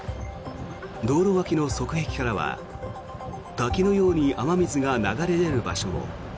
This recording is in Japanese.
道路脇の側壁からは滝のように雨水が流れ出る場所も。